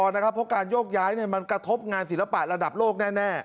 เพราะการโยกย้ายมันกระทบงานศิลปะระดับโลกแน่